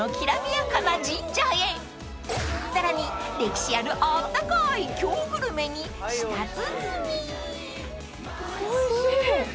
［さらに歴史あるあったかい京グルメに舌鼓］